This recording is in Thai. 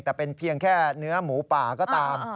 แต่เป็นเพียงแค่เนื้อหมูป่าก็ตาม